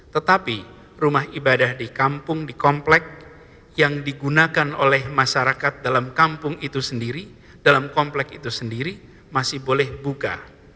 tetapi rumah ibadah di kampung di komplek yang digunakan oleh masyarakat dalam kampung itu sendiri dalam komplek itu sendiri masih boleh buka